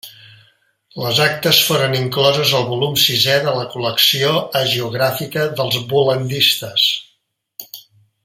Les actes foren incloses al volum sisè de la col·lecció hagiogràfica dels bol·landistes.